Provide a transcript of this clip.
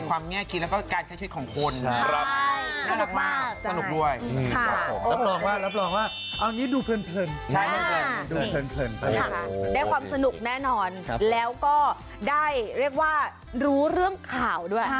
โทษนะครับนักแสดงตอบไปได้แล้วจริงครับ